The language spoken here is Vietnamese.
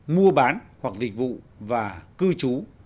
mua bán hoặc dịch vụ và cư trú